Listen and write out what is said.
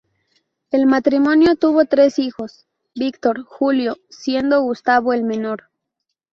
El matrimonio tuvo tres hijos: Víctor, Julio, siendo Gustavo el menor.